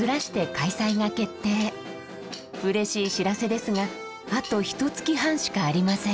うれしい知らせですがあとひとつき半しかありません。